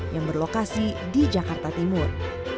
yang berlokasi di jakarta timur